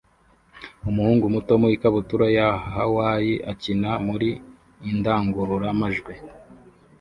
Umuhungu muto mu ikabutura ya Hawayi akina muri indangurura majwi